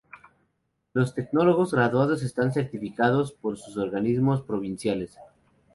Los tecnólogos graduados están certificados por sus organismos provinciales.